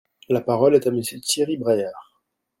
La parole est à Monsieur Thierry Braillard.